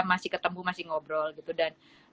masih ketemu masih ngobrol gitu dan